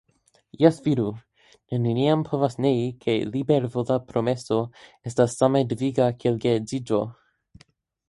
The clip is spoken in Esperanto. Jes vidu, ni neniam povas nei ke libervola promeso estas same deviga kiel geedziĝo.